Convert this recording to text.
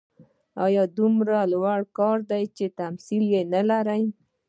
دا دومره لوی کار دی چې تمثیل نه لري.